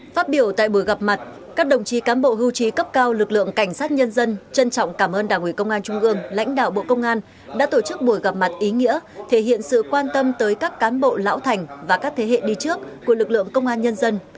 phát biểu tại buổi gặp mặt các đồng chí cám bộ hưu trí cấp cao lực lượng cảnh sát nhân dân trân trọng cảm ơn đảng ủy công an trung ương lãnh đạo bộ công an đã tổ chức buổi gặp mặt ý nghĩa thể hiện sự quan tâm tới các cán bộ lão thành và các thế hệ đi trước của lực lượng công an nhân dân